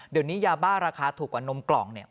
เดี๋ยวนี้ยาบ้าราคาถูกกว่านมกล่องเนี่ย